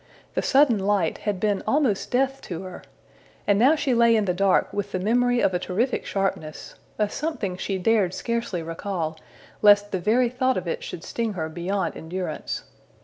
The sudden light had been almost death to her: and now she lay in the dark with the memory of a terrific sharpness a something she dared scarcely recall, lest the very thought of it should sting her beyond endurance.